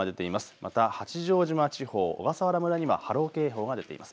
また八丈島地方、小笠原村には波浪警報が出ています。